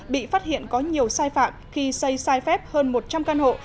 bị phát hiện có nhiều sai phạm khi xây sai phép hơn một trăm linh căn hộ